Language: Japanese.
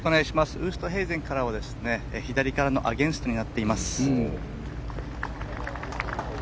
ウーストヘイゼンからは左からのアゲンストになっています。